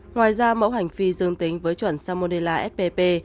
ngoài ra mẫu hành phi dương tính với chuẩn salmonella spp